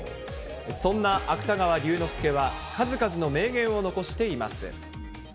そんな芥川龍之介は数々の名言を残しています。